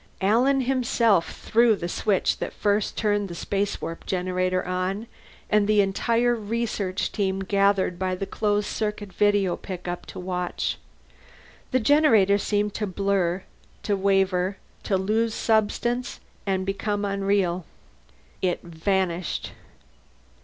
Alan himself threw the switch that first turned the spacewarp generator on, and the entire research team gathered by the closed circuit video pickup to watch. The generator seemed to blur, to waver, to lose substance and become unreal. It vanished.